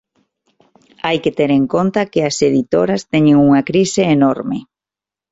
Hai que ter en conta que as editoras teñen unha crise enorme.